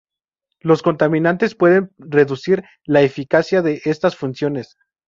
Los contaminantes pueden reducir la eficacia de estas funciones.